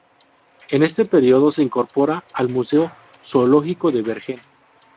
En este período se incorpora al Museo Zoológico de Bergen.